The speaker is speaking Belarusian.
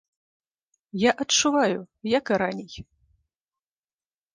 Я адчуваю, як і раней.